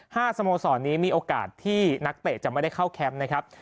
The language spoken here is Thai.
สโมสรนี้มีโอกาสที่นักเตะจะไม่ได้เข้าแคมป์นะครับ